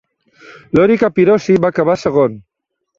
Loris Capirossi va acabar segon.